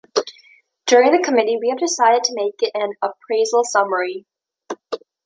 During the committee we have decided to make it an « appraisal summary ».